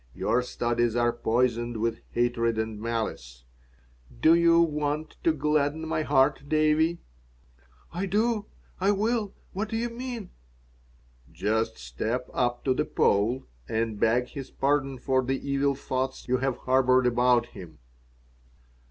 Your studies are poisoned with hatred and malice. Do you want to gladden my heart, Davie?" "I do. I will. What do you mean?" "Just step up to the Pole and beg his pardon for the evil thoughts you have harbored about him."